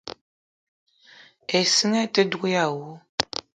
Issinga ite dug èè àwu